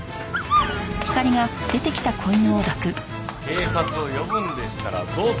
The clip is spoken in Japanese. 警察を呼ぶんでしたらどうぞ。